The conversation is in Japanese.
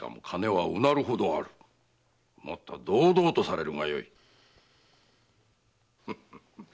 もっと堂々とされるがよい。